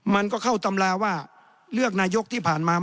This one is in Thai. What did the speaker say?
มันก็เข้าตำราว่าเลือกนายกที่ผ่านมา